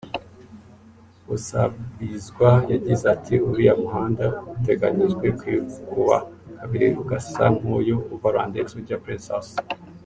Busabizwa yagize ati “Uriya muhanda uteganyijwe kwikuba kabiri ugasa nk’uyu uva Rwandex ujya Prince House